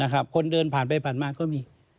คนเดินผ่านไปผ่านมาก็มี